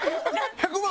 １００万